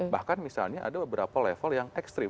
bahkan misalnya ada beberapa level yang ekstrim